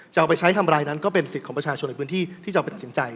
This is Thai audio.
เอาไปใช้ทำรายนั้นก็เป็นสิทธิ์ของประชาชนในพื้นที่ที่จะเอาไปตัดสินใจ